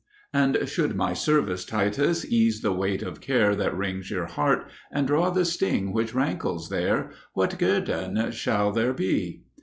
And should my service, Titus, ease the weight Of care that wrings your heart, and draw the sting Which rankles there, what guerdon shall there be?